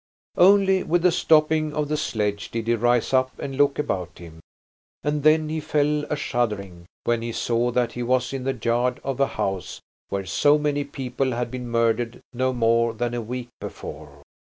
Only with the stopping of the sledge did he rise up and look about him; and then he fell a shuddering, when he saw that he was in the yard of a house where so many people had been murdered no more than a week before.